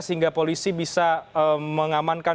sehingga polisi bisa mengamankan